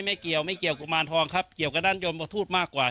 ไม่เกี่ยวกุมารทองครับเกี่ยวกับด้านยมทราทูตมากกว่า